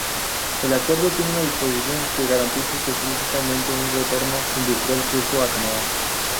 El acuerdo tiene una disposición que garantiza específicamente un retorno industrial justo a Canadá.